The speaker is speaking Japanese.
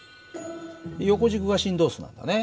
横軸が振動数なんだね。